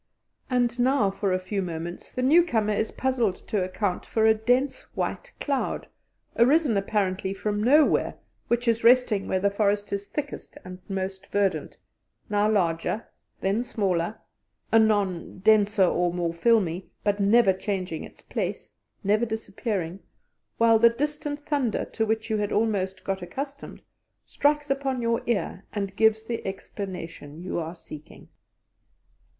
And now for a few moments the newcomer is puzzled to account for a dense white cloud, arisen apparently from nowhere, which is resting where the forest is thickest and most verdant, now larger, then smaller, anon denser or more filmy, but never changing its place, never disappearing, while the distant thunder, to which you had almost got accustomed, strikes upon your ear and gives the explanation you are seeking.